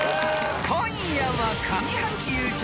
［今夜は］